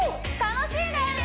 楽しいですね